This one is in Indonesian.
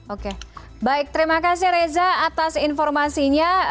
oke baik terima kasih reza atas informasinya